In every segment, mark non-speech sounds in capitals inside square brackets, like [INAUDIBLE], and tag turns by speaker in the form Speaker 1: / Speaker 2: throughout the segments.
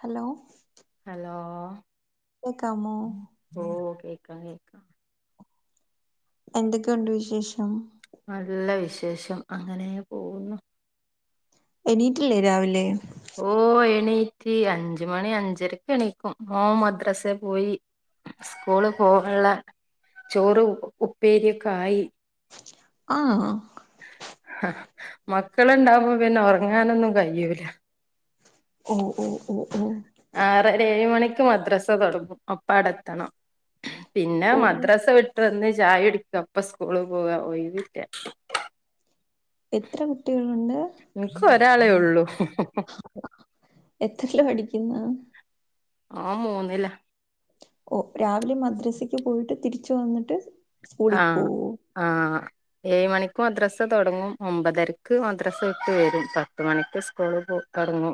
Speaker 1: Hello
Speaker 2: hello
Speaker 1: കേക്കാമോ?
Speaker 2: ഓഹ് കേക്കാം കേക്കാ
Speaker 1: എന്തൊക്കെ ഉണ്ട് വിശേഷം?
Speaker 2: നല്ല വിശേഷം അങ്ങനേ പോവുന്നു.
Speaker 1: എണീറ്റില്ലേ രാവിലെ
Speaker 2: ഓഹ് എണീറ്റി അഞ്ചു മണി അഞ്ചരക്കെണീക്കും മോൻ മദ്രസേ പോയി സ്കൂള് പോവൻള്ളെ ചോറ് ഉപ്പേരിയൊക്കെ ആയി
Speaker 1: ആഹ്
Speaker 2: മക്കള് ഇണ്ടാവുമ്പോ പിന്നെ ഒറങ്ങാനൊന്നും കയ്യൂല.
Speaker 1: ഓഹ് ഓഹ് ഓഹ് ഓഹ്
Speaker 2: ആറര ഏഴ് മണിക്ക് മദ്രസ തൊടങ്ങും അപ്പ അടെ എത്തണം പിന്നെ
Speaker 1: ഓ
Speaker 2: മദ്രസ വിട്ട് വന്ന് ചായ കുടിക്ക അപ്പ സ്കൂള് പോവാ ഒയിവില്ല.
Speaker 1: എത്ര കുട്ടികളുണ്ട്
Speaker 2: ഇൻക്ക് ഒരാളെ ഒള്ളു
Speaker 1: എത്രയിലാ പഠിക്കുന്നത്
Speaker 2: ഓന് മൂന്നിലാ
Speaker 1: ഓഹ് രാവിലെ മദ്രസിക്ക് പോയിട്ട് തിരിച്ച് വന്നിട്ട് സ്കൂളിൽ
Speaker 2: ആഹ്
Speaker 1: പോവോ
Speaker 2: ആഹ് ഏഴ് മണിക്ക് മദ്രസ താെടങ്ങും ഒമ്പതരക്ക് മദ്രസ വിട്ട് വെരും പത്ത് മണിക്ക് സ്കൂള് പോവും കടന്നു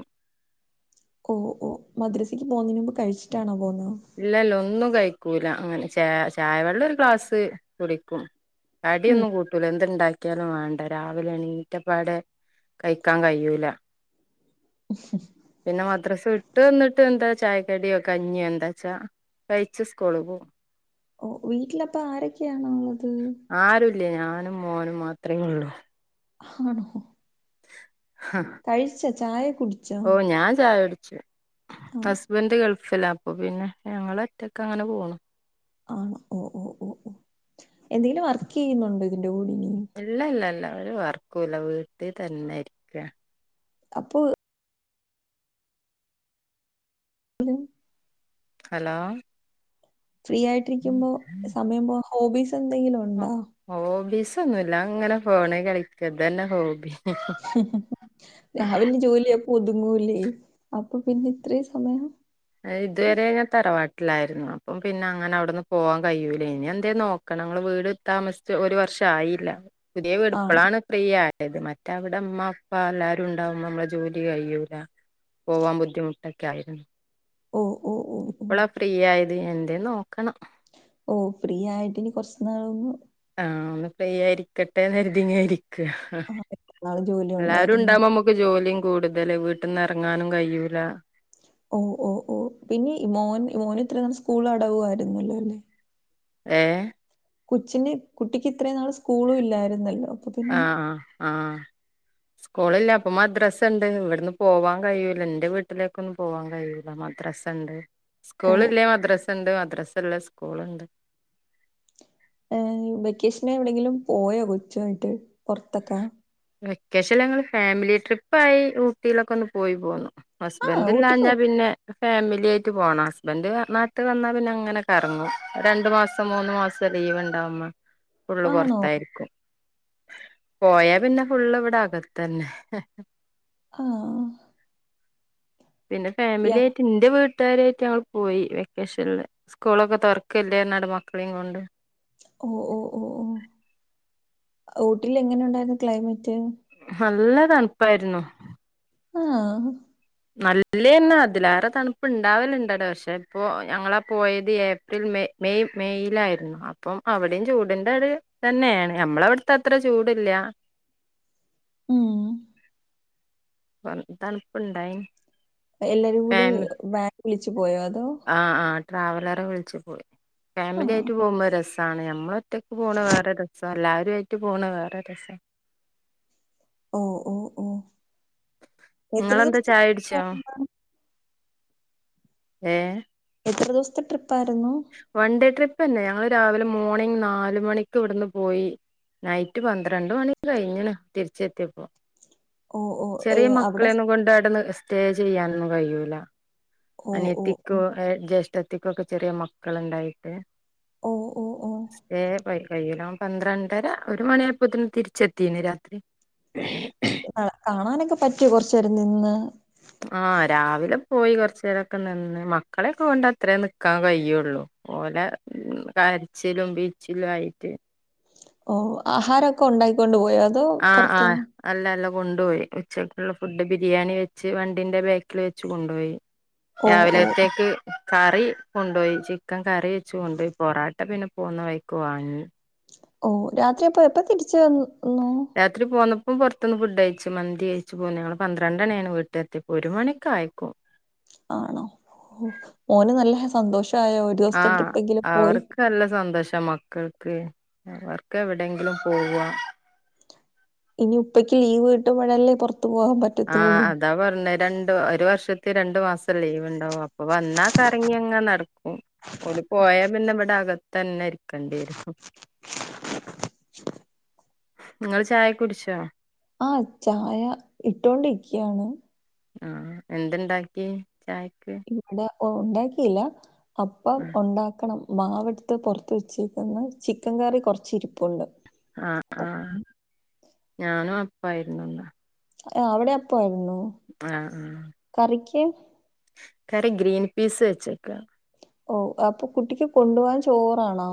Speaker 1: ഓഹ് ഓഹ് മദ്രസ്ക്ക് പോവുന്നതിന് മുമ്പ് കഴിച്ചിട്ടാണോ പോവുന്നത്
Speaker 2: ഇല്ലല്ല ഒന്നും കഴിക്കൂല അങ്ങനെ ചേ ചായവെള്ളം ഒരു ഗ്ലാസ് കുടിക്കും
Speaker 1: ഉം
Speaker 2: കടിയൊന്നും കൂട്ടൂല എന്ത് ഇണ്ടാക്കിയാലും വാണ്ട രാവിലെ എണീറ്റപ്പാടെ കയിക്കാൻ കയ്യൂല
Speaker 1: [UNINTELLIGIBLE]
Speaker 2: പിന്നെ മദ്രസ വിട്ട് വന്ന്ട്ട് എന്താ ചായക്കടിയോ കഞ്ഞിയോ എന്താ ച്ച കഴിച്ച് സ്കൂള് പോവും
Speaker 1: ഓഹ് വീട്ടിലപ്പ ആരെക്കെയാണുള്ളത്
Speaker 2: ആരുല്ലേ ഞാനും മോനും മാത്രേ ഉള്ളൂ
Speaker 1: ആണോ ഹൊ
Speaker 2: ഹ
Speaker 1: കഴിച്ചാെ ചായ കുടി
Speaker 2: ഓഹ് ഞാൻ ചായ കുടിച്ചു
Speaker 1: ആണോ
Speaker 2: ഹസ് ബെൻഡ് ഗൾഫിലാണ് അപ്പൊ പിന്നെ ഞങ്ങള് ഒറ്റക്ക് അങ്ങനെ പോണു
Speaker 1: ആണോ ഓഹ് ഓഹ് ഓഹ് എന്തെങ്കിലും വർക്കിയ്യുന്നുണ്ടോ ഇതിൻ്റെ കൂടെ ഇനിയും
Speaker 2: ഇല്ല ഇല്ലല്ല ഒരു വർക്കും ഇല്ല വീട്ടിൽ തന്നെ ഇരിക്കാ
Speaker 1: അപ്പോൾ
Speaker 2: ഹലോ
Speaker 1: ഫ്രീ ആയിട്ടിരിക്കുമ്പൊ സമയം പോവാൻ ഹോബീസ് എന്തെങ്കിലും ഉണ്ടോ?
Speaker 2: [UNINTELLIGIBLE] ഹോബീസ് ഒന്നുല്ല അങ്ങനെ ഫോണില് കളിക്കാ ഇതന്നെ ഹോബി
Speaker 1: രാവിലെ ജോലിയാെക്കെ ഒതുങ്ങൂലേ അപ്പൊ പിന്നെ ഇത്രയും സമയം
Speaker 2: അത് ഇതുവരെ ഞാൻ തറവാട്ടിലായിരുന്നു അപ്പം പിന്നെ അങ്ങനെ അവിടുന്ന് പോവാൻ കയ്യൂലേനു എന്തേലും നോക്ക ക്കണം ഞങ്ങള് വീട് താമസിച്ച് ഒരു വർഷം ആയില്ല പുതിയ വീട്
Speaker 1: ആഹ്
Speaker 2: ഇപ്പളാണ് ഫ്രീയായത് മറ്റെ അവിടെ ഇമ്മ ഉപ്പ എല്ലാരും ഉണ്ടാവുമ്പൊ ഇമ്മളെ ജോലി കഴിയൂല പോവാം ബുദ്ധിമുട്ടെക്കെ ആയിരുന്നു
Speaker 1: ഓഹ് ഓഹ് ഓഹ് ഓഹ്
Speaker 2: ഇപ്പളാ ഫ്രീയായത് എന്തേലും നോക്കണം
Speaker 1: ഓഹ് ഫ്രീയായിട്ട് ഇനി കൊർച്ച് നാളാെന്നു
Speaker 2: ആഹ് ഒന്ന് ഫ്രീയായി ഇരിക്കട്ടെ എന്ന് കെര്തി ഇങ്ങനെ ഇരിക്കാ
Speaker 1: ആഹ് നാളെ ജോലി
Speaker 2: എല്ലാരും
Speaker 1: ഉണ്ടായിരുന്നു.
Speaker 2: ഇണ്ടാവുമ്പൊ നമു [UNINTELLIGIBLE] ജോലിം കൂട്തല് വീട്ട്ന്ന് എറങ്ങാനും കയ്യൂല
Speaker 1: ഓഹ് ഓഹ് ഓഹ് പിന്നെ ഇ മോൻ ഇ മോന് ഇത്രിം നാളും സ്കൂൾ അടവായിരുന്നുല്ലോ അല്ലെ
Speaker 2: ഏഹ്
Speaker 1: കൊച്ചിന് കുട്ടിക്ക് ഇത്രയും നാള് സ്കൂളും ഇല്ലായിരുന്നല്ലോ അപ്പൊ പിന്നെ
Speaker 2: ആഹ് ആഹ് ആഹ് സ്കൂളില്ല അപ്പൊ മദ്രാസ ഇണ്ട് ഇവെട്ന്ന് പോവാൻ കഴിയൂല ഇന്റെ വീട്ടിലേക്കൊന്നും പോവാൻ കഴിയൂല മദ്രാസ ഇണ്ട് സ്കൂള്
Speaker 1: ഓഹ്
Speaker 2: ഇല്ലേ മദ്രസണ്ട് മദ്രസഇല്ലേ സ്കൂള് ഇണ്ട്
Speaker 1: ഏ വെക്കേഷന് എവിടെയെങ്കിലും പോയോ കൊച്ചുവായിട്ട് പൊർത്തക്കാ
Speaker 2: വെക്കേഷൻല് ഞങ്ങള് ഫാമിലി ട്രിപ്പായി ഊട്ടിയിലൊക്കെ ഒന്ന് പോയി പോന്നു
Speaker 1: ആഹ് ഊട്ടിക്ക് പോ
Speaker 2: ഹസ്ബെൻ്റില്ലാഞ്ഞാ പിന്നെ ഫാമിലിയായിട്ട് പോണം. ഹസ്ബന്റ് വ നാട്ട് വന്നാ പിന്നെ അങ്ങനെ കറങ്ങും. രണ്ടു മാസം മൂന്നു മാസ സ ലീവ്ണ്ടാവ്മ്മ ഫുള്ള്
Speaker 1: ആണോ
Speaker 2: പൊറ്ത്തായിരിക്കും. പോയാ പിന്നെ ഫുള്ള് ഇവിടകത്തന്നെ.
Speaker 1: ആഹ്
Speaker 2: പിന്നെ
Speaker 1: യാ
Speaker 2: ഫാമിലിയായിട്ട് ഇന്റെ വീ ട്ടാരേറ്റു ഞങ്ങൾ പോയി വെക്കേഷൻല്. സ്കൂളൊക്കെ തൊറ്ക്കല്ലേറ്ഞ്ഞാണ് മക്കളിം കൊണ്ട്.
Speaker 1: ഓഹ് ഓഹ് ഓഹ് ഓഹ് ഊട്ടിലെങ്ങനണ്ടായിരുന്നു ക്ലൈമറ്റ്?
Speaker 2: നല്ല തണുപ്പായിരുന്നു.
Speaker 1: ആഹ്
Speaker 2: നല്ലേന്നെ അതിലാറെ തണുപ്പ് ഇണ്ടാവല്ണ്ടടെ പക്ഷെ ഇപ്പോ ഞങ്ങളാ പോയത് ഏപ്രിൽ മെയ് മെയ് മെയ്യിലായിരുന്നു അപ്പം അവിടിം ചൂടിന്റത് തന്നേണ് നമ്മളവ്ട്ത്തത്ര ചൂടില്ല.
Speaker 1: ഉം
Speaker 2: കൊർഞ്ഞ തണുപ്പ്ണ്ടായിന്.
Speaker 1: അഹ് എല്ലാരും കൂടെ വാൻ വിളിച്ചു പോയോ അതോ?
Speaker 2: ട്രാവലറ് വിളിച്ച് പോയി.
Speaker 1: ആഹ്
Speaker 2: ഫാമിലിയായിട്ട് പോവുമ്പോ അത് രസാണ്. ഞമ്മ്ള് ഒറ്റക്ക് പോണ് വേറെ രസ. എല്ലാരു ആയിട്ട് പോണ് വേറെ രസ.
Speaker 1: ഓഹ് ഓഹ് ഓഹ് എത്ര
Speaker 2: നിങ്ങളെന്താ
Speaker 1: ദിവ്സ് [INAUDIBLE]
Speaker 2: ചായ കുടിച്ചോ ഏഹ്?
Speaker 1: എത്ര ദിവ്സത്തെ ട്രിപ്പായിരുന്നു?
Speaker 2: വൺ ഡേ ട്രിപ്പെന്നെ ഞങ്ങള് രാവിലെ മോർണിങ്ങ് നാല് മണിക്ക് ഇവ്ടുന്ന് പോയി. നൈറ്റ് പന്ത്രണ്ട് മണി കഴിഞ്ഞ്ണ് തിരിച്ചെത്തിയപ്പോ.
Speaker 1: ഓ ഓ ഏ
Speaker 2: ചെറിയ
Speaker 1: അവിടെ സ്-
Speaker 2: മക്കളേന്നു കൊണ്ട് അട്ന്ന് സ്റ്റേ ചെയ്യാനൊന്നു കയ്യൂല.
Speaker 1: ഓ ഓ
Speaker 2: അനിയത്തി ക്കു
Speaker 1: ഓ
Speaker 2: ഏഹ് ജ്യേഷ്ഠത്തിക്കൊക്കെ ചെറിയ മക്കളുണ്ടായി എഹ്
Speaker 1: ഓ ഓ ഓ
Speaker 2: സ്റ്റേ പഴ് കയ്യൂലാം പന്ത്രണ്ടര ഒരു മണിയായപ്പോത്തിന് തിരിച്ചെത്തീന് രാത്രി.
Speaker 1: ആഹ് കാണാനൊക്കെ പറ്റിയോ കൊറ്ച്ചേരം നിന്ന്?
Speaker 2: ആഹ് രാവില പോയി കൊറ്ച്ചേരൊക്കെ നിന്ന് മക്കളെക്കെ കൊണ്ട് അത്രേ നിക്കാൻ കഴിയുള്ളു. ഓലെ കരച്ചിലും പിഴിച്ചിലു ആയിട്ട്
Speaker 1: ഓഹ് ആഹാരൊക്കെ ഉണ്ടായി കൊണ്ട് പോയ
Speaker 2: ആഹ് ആഹ് അല്ലല്ല കൊണ്ടുപോയി ഉച്ചക്കുള്ള ഫുഡ് ബിരിയാണി വെച്ച് വണ്ടിന്റെ ബേക്കിൽ വെച്ച് കൊണ്ടോയി.
Speaker 1: ഓ ഓ
Speaker 2: രാവിലെത്തേക്ക് കറി കൊണ്ടോയി ചിക്കൻ കറി വെച്ചു കൊണ്ടോയി. പൊറാട്ട പിന്നെ പോവുന്ന വഴിക്ക് വാങ്ങി.
Speaker 1: ഓഹ് രാത്രിയെപ്പ എപ്പ തിരിച്ച് വന്ന്ക്കുന്നു?
Speaker 2: രാത്രി പോന്നപ്പോ പൊറ്ത്ത്ന്ന് ഫുഡയിച്ചു മന്തി കയിച്ച് പോന്നു. ഞങ്ങള് പന്ത്രണ്ടണിയാണ് വീട്ടിലെത്തിയപ്പോ. ഒരു മണിക്കായക്കും.
Speaker 1: ആണോ ഓഹ് മോന് നല്ല ഹ സന്തോഷ
Speaker 2: ആഹ് അവർക്കല്ല സന്തോഷ മ ക്കൾക്ക് അവർക്കെവിടെങ്കിലും പോവാ
Speaker 1: ഇനി ഉപ്പക്ക് ലീവ് കട്ടുമ്പഴല്ലേ പൊറ്ത്ത് പോവാൻ പറ്റ്
Speaker 2: ആഹ് അത താ പർന്നെ രണ്ട് ഒരു വർഷത്തി രണ്ട് മാസം ലീവ്ണ്ടാവും. അപ്പൊ വന്നാ കറങ്ങിയങ്ങ നട ഓല് പോയാ പിന്നെ ഇവ്ടെ അകത്തെന്നെ ഇരിക്കേണ്ടിരും. ഇങ്ങള് ചായക്കെ കുടിച്ചോ?
Speaker 1: ആഹ് ചായ ഇട്ടോണ്ടിരിക്കാണ്.
Speaker 2: ആഹ് എന്തണ്ടാക്കിയെ ചായക്ക്?
Speaker 1: ഇവ്ടെ ഉണ്ടാക്കിയില്ല അപ്പം ഉണ്ടാക്കണം. മാവ്ടുത്ത് പൊറ്ത്ത് വെച്ചേക്കുന്ന് ചിക്കൻ കറി കൊറച്ചിരിപ്പുണ്ട്
Speaker 2: ആഹ്
Speaker 1: അപ്പം
Speaker 2: ആഹ്
Speaker 1: പിന്നെ
Speaker 2: ഞാനും അപ്പായിരുന്നു ഇന്ന്
Speaker 1: ആഹ് അവിടെ അപ്പായിരുന്നോ?
Speaker 2: ആഹ് ആഹ്.
Speaker 1: കറിക്ക്.
Speaker 2: കറി ഗ്രീൻ പീസ് വെച്ചേക്കാ.
Speaker 1: ഓഹ് അപ്പൊ കുട്ടിക്ക് കൊണ്ടോവാൻ ചോറാണോ?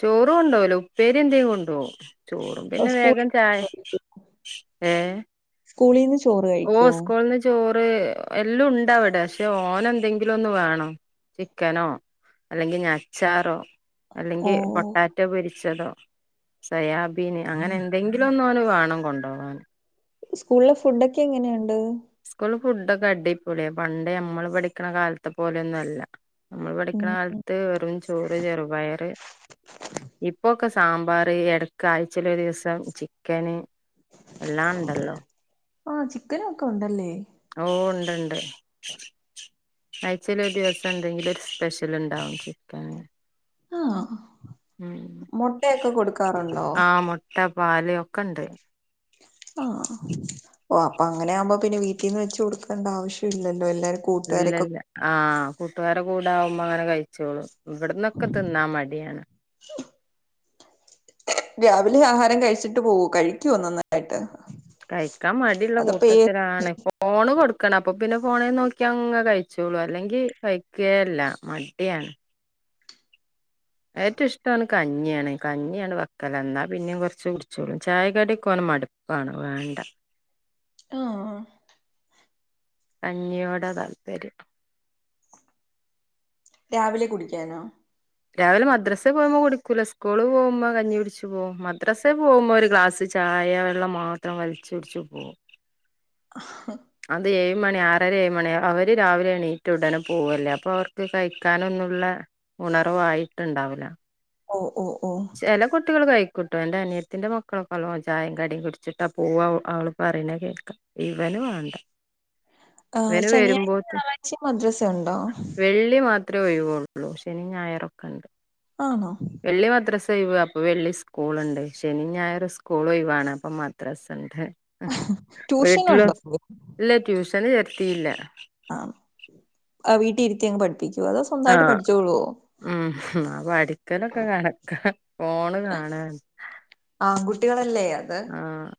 Speaker 2: ചോറ് കൊണ്ടേവൂല ഉപ്പേരി എന്തെലും കൊണ്ടോവും. ചോറും
Speaker 1: ഓ,
Speaker 2: പിന്നെ
Speaker 1: സ്കൂളിൽ
Speaker 2: വേഗം ചായ ഏഹ്
Speaker 1: സ്കൂളീന്ന് ചോറ് കഴി
Speaker 2: ഓഹ് സ്കൂൾന്ന് ച ചോറ് എല്ലം ഉണ്ടവടെ പക്ഷെ ഓന് എന്തെങ്കിലൊന്ന് വേണം ചിക്കനോ? അല്ലെങ്കി ഇഞ്ഞി അച്ചാറോ
Speaker 1: ഓ
Speaker 2: അല്ലെങ്കിൽ പൊട്ടാറ്റോ പൊരി ച്ചതോ സേയാബീന് അങ്ങനെ എന്തെങ്കിലൊന്ന് ഓന് വേണം കൊണ്ടോവാന്.
Speaker 1: സ്കൂൾല് ഫുഡൊക്കെ എങ്ങനെയുണ്ട്.
Speaker 2: സ്കൂൾല് ഫുഡൊക്കെ അടിപെളിയാ പണ്ടേ നമ്മള് പഠിക്ക്ണ കാലത്തെ പോലെയൊന്നൊല്ലാ. നമ്മള് പഠിക്ക്ണ
Speaker 1: ഉം
Speaker 2: കാലത്ത് വെറും ചോറ് ചെറുപയറ്. ഇപ്പൊക്കെ സാമ്പാറ് എടക്ക് ആഴ്ചെല് ഒരു ദിവസം ചിക്കന്. എള്ളാം ഇണ്ടല്ലോ.
Speaker 1: ആഹ് ചിക്കനൊക്കെ ഉണ്ടല്ലേ.
Speaker 2: ഓഹ് ഇണ്ട് ഇണ്ട്. ആഴ്ച്ചെല് ഒരു ദിവസം എന്തെങ്കിലും. ഒരു സ്പെഷ്യൽ ണ്ടാവും ചിക്കന്.
Speaker 1: ആഹ്
Speaker 2: ഉം
Speaker 1: മെട്ടയൊക്കെ കൊടുക്കാറുണ്ടോ?
Speaker 2: മുട്ടാ പാല് ഒക്കെണ്ട്.
Speaker 1: ആഹ് ഓഹ് അപ്പൊ അങ്ങനാകുമ്പോ പിന്നെ വീട്ടീന്ന് വെച്ച് കൊടുക്കണ്ട ആവശ്യല്ലല്ലോ എല്ലര്ക്കും.
Speaker 2: ഇല്ല ല്ലാ. ആഹ് കൂട്ടുകാര കൂടാകുമ്പോ അങ്ങനെ കഴിച്ചോളും. ഇവിട്ന്നൊക്കെ തിന്നാ മടിയാണ്.
Speaker 1: രാവിലെ ആഹാരം കഴിച്ചിട്ട് പോവോ കഴിക്കോ നന്നായിട്ട്.
Speaker 2: കഴിക്കാൻ മടിയുള്ള
Speaker 1: അതപ്പോ ഏ
Speaker 2: കൂട്ടത്തിലാണ് ഫോണ് കൊടുക്കണം അപ്പ പിന്നെ ഫോണിൽ നോക്കി അങ്ങ് കഴിച്ചോളും. അല്ലെങ്കി കഴിക്കെ ഇല്ല മടിയാണ് ഏറ്റവും ഇഷ്ട്ടം ഓന് കഞ്ഞിയാണ് കഞ്ഞിയാണ് വെക്കല് എന്നാ പിന്നിം കൊർച്ച് കുടിച്ചോളും ചായകടി ഒക്കെ ഓന് മടുപാ പണം വേണ്ടാ.
Speaker 1: ആഹ് ആഹ്
Speaker 2: കഞ്ഞിയോട താല്പര്യം.
Speaker 1: രാവിലെ കുടിക്കാനോ.
Speaker 2: രാവിലെ മദ്രസെ പോകുമ്പോ കുടിക്കൂല സ്കൂള് പോകുമ്പോ കഞ്ഞി കുടിച്ചു പോകും മദ്രസെ പോകുമ്പേ ഒരു ക്ലാസ് ചായ വെള്ളം മാത്രം വലിച്ച് കുടിച്ച് പോകും.
Speaker 1: [UNINTELLIGIBLE]
Speaker 2: അത് ഏഴ് മണി ആറര ഏഴ് മണി അവര് രാവിലെണീറ്റ ഉടനെ പോവല്ലേ അപ്പൊ അവർക്ക് കഴിക്കാനെന്നുള്ളെ. ഉണർവായിട്ടുണ്ടാവൂല.
Speaker 1: ഓഹ് ഓഹ് ഓഹ്
Speaker 2: ചെല കുട്ടികൾ കയിക്കുട്ടോ. എന്റെ അനിയെത്തിന്റെ മക്കളൊക്കെ നള്ളോം ചായിം കടീം കുടിച്ചിട്ടാ പോവാ. അവള് പറയ്ണെ കേൾക്കാ. ഇവന് വാണ്ട.
Speaker 1: ആഹ്
Speaker 2: ഇവന്
Speaker 1: ശനിയാഴ്ച
Speaker 2: വെരുമ്പോത്ത്
Speaker 1: ഞായറാഴ്ച മദ്രസ ഉണ്ടോ
Speaker 2: വെള്ളി മാ ത്രേ ഒഴിവൊള്ളൂ ശെനിം ഞായറൊക്കെ ണ്ട്.
Speaker 1: ആണോ.
Speaker 2: വെള്ളി മദ്രസ ഒയിവ്. അപ്പൊ വെള്ളി സ്കൂള്ണ്ട്. ശെനിം ഞായറും സ്കൂൾ ഒയിവാണ് അപ്പം മദ്രസ്ണ്ട്. അഹ്
Speaker 1: ട്യൂഷൻ
Speaker 2: വീട്ടിലും
Speaker 1: ഉണ്ടോ
Speaker 2: ഇല്ല ട്യൂഷന് ചേർത്തീല്ല.
Speaker 1: ആഹ് ആഹ് വീട്ടീ ഇരുത്തിയങ്ങ് പഠി പ്പിക്ക്യുവാ അതോ സ്വ
Speaker 2: ആഹ്, ഉം ഹും അഹ് പഠിക്കലൊക്കെ കണക്കാ ഫോണ് കാണാണ്.
Speaker 1: ആൺകുട്ടികളല്ലേ അത്
Speaker 2: ആഹ്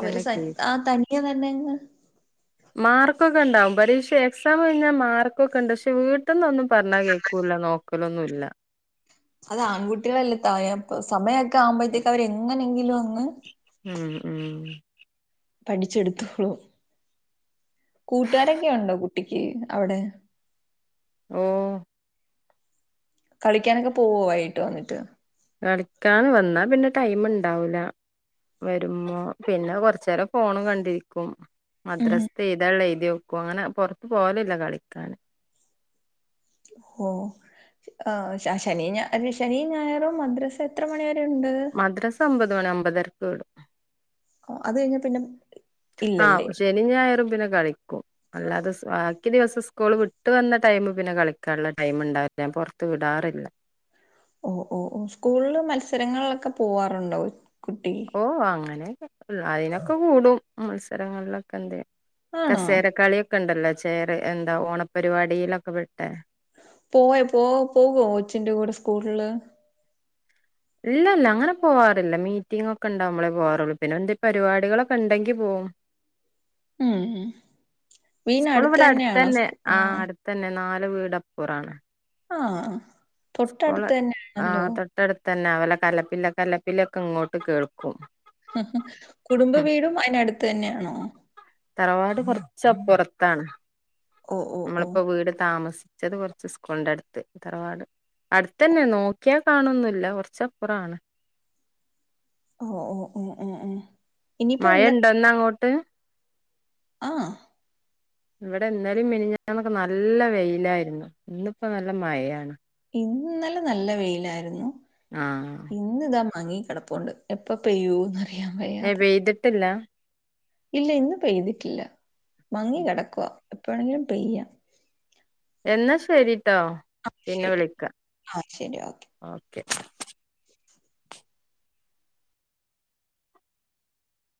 Speaker 1: അവര് സൻ
Speaker 2: കീ
Speaker 1: ആഹ് തനിയെ തന്നെ അങ്ങ്
Speaker 2: മാർക്കൊക്കെ ണ്ടാവും. പരീക്ഷ എക്സാം കഴിഞ്ഞാ മാർക്കൊക്കെണ്ട്. പക്ഷെ വീട്ട് ന്ന് ഒന്നും പറഞ്ഞാ കേക്കൂല നോ ക്കലൊന്നുല്ല.
Speaker 1: അത് ആൺകുട്ടികളല്ലെ ഇത്തായെ അപ്പ സമയൊക്കെ ആവുമ്പഴ്ത്തേക്ക് അവർ എങ്ങനെങ്കിലും അങ്ങ്
Speaker 2: ഉം ഉം.
Speaker 1: പഠിച്ചെടുത്തോളും. കൂട്ടുകാരൊക്കെ ഉണ്ടോ കുട്ടിക്ക് അവിടെ?
Speaker 2: ഓഹ്.
Speaker 1: കളിക്ക്യാനൊക്കെ പോവോ വൈകിട്ട് വന്നിട്ട്?
Speaker 2: കളിക്കാൻ വന്നാ പിന്നെ ടൈമ്ണ്ടാവൂല. വരുമ്പോ പിന്നെ കൊറച്ചേരം ഫോണും കണ്ടിരിക്കും.
Speaker 1: ഉം
Speaker 2: മദ്രസ്ത്തെ എഴ്താള്ളത് എഴുതി വെക്കും അങ്ങനെ പൊറത്ത് പോവലില്ല കളിക്കാന്.
Speaker 1: ഓഹ്. ആഹ് ശ ശനി ഞായ ശനി ഞായറും മദ്രസ എത്ര മണിവരെ ഉണ്ട്?
Speaker 2: മദ്രസ ഒമ്പത് മണി ഒമ്പതരക്ക് വിടും.
Speaker 1: ഓഹ്. അത് കഴിഞ്ഞാ പിന്നെ ഇല്ലല്ലേ.
Speaker 2: നിം ഞായറും പിന്നെ കളിക്കും. അല്ലാതെ സ് ബാക്കി ദിവസം സ്കൂള് വിട്ട് വന്ന ടൈം പിന്നെ കളിക്കാന്ള്ള ടൈമ്ണ്ടാവേല്ല ഞാൻ പൊറത്ത് വിടാറില്ല.
Speaker 1: ഓഹ് ഓഹ് ഓഹ്. സ്കൂളിൽ മത്സരങ്ങളിലൊക്കെ പോവാറുണ്ടോ കുട്ടി?
Speaker 2: ഓഹ് അങ്ങനെക്കെ. [UNINTELLIGIBLE] അയ്നൊക്കെ കൂടും മത്സരങ്ങളിലൊക്കെ എന്തേം.
Speaker 1: ആണോ
Speaker 2: കസേരകളിയൊക്കെണ്ടല്ലോ ചെയറ് എന്താ ഓണപരിപാടിയിലൊക്കെ പെട്ടേ.
Speaker 1: പോയോ പ്പോ പോകോ കൊച്ചിന്റെ കൂടെ സ്കൂളില്?
Speaker 2: ഇല്ല ഇല്ല അങ്ങനെ പോവാറില്ല. മീറ്റിങ്ങ് ഒക്കെണ്ടാവുമ്പളേ പോവാറൊള്ളൂ. പിന്നെ എന്തേം പരിപാടികളൊക്കെണ്ടെങ്കി പോവും.
Speaker 1: ഉം ഉം. വീട്നടുത്ത് തന്നെയാണോ സ്കൂ ആഹ്
Speaker 2: തന്നെ നാല് വീട് അപ്പുറാണ്.
Speaker 1: ആഹ് തൊട്ടടുത്ത് തന്നേണല്ലോ.
Speaker 2: ട്ടടുത്തന്നെ. അവല കലപില കലപില ഒക്കെ ഇങ്ങോട്ട് കേൾക്കും.
Speaker 1: കുടുംബ വീടും അയിനടുത്ത് തന്നെയാണോ?
Speaker 2: തറവാട് കൊറച്ചപ്പുറത്താണ്
Speaker 1: ഓ ഓ ഓ
Speaker 2: നമ്മളിപ്പോ വീട് താമസി ച്ചത് കൊറച്ച് സ്കൂളിന്റെ അട്ത്ത്. തറവാട് അടുത്തന്നെ നോക്കിയാ കാണൊന്നുംല്ല കൊറച്ച് അപ്പുറാണ്.
Speaker 1: ഓഹ് ഓഹ് ഉം ഉം ഉം.
Speaker 2: മഴണ്ടോ ഇന്ന് അങ്ങോട്ട്?
Speaker 1: ആഹ്.
Speaker 2: ഇവടെ ഇന്നലിം മിനിഞ്ഞാന്നൊക്കെ നല്ല വെയിലായിരുന്നു ഇന്നിപ്പോ നല്ല മയയാണ്.
Speaker 1: ഇന്നലെ നല്ല വെയിലായിരുന്നു.
Speaker 2: ആഹ്
Speaker 1: ഇന്ന് ഇതാ മങ്ങി കെടപ്പുണ്ട് എപ്പ പെയ്യൂ
Speaker 2: ഏ പെയ്ത്ട്ടില്ല
Speaker 1: ഇല്ല ഇന്ന് പെയ്തിട്ടില്ല മങ്ങി കെടക്കുവാ എപ്പ വെണെങ്കിലും പെയ്യ
Speaker 2: എന്നാ ശരിട്ടോ
Speaker 1: ആ
Speaker 2: പിന്നെ
Speaker 1: ശരി ആഹ് ശരി ഓക്കെ
Speaker 2: ക്കെ